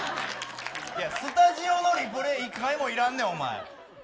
スタジオのリプレー、一回もいらんねん。